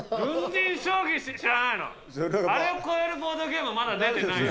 あれを超えるボードゲーム、まだ出てない。